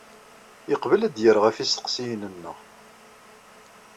Yeqbel ad d-yerr ɣef yisteqsiyen-nneɣ.